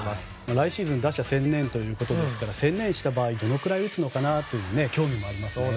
来シーズンは打者専念ということですから専念した場合どれくらい打つのかなという興味もありますね。